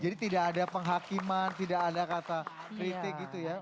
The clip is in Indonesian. jadi tidak ada penghakiman tidak ada kata kritik gitu ya